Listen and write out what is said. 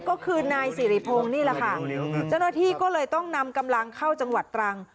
ก็คือนายสิริพงศ์นี่แหละค่ะเจ้าหน้าที่ก็เลยต้องนำกำลังเข้าจังหวัดตรัง